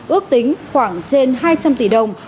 ước tính khoảng trên hai trăm linh tỷ đồng